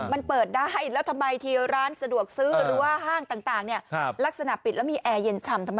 มันเปิดได้แล้วทำไมทีร้านสะดวกซื้อ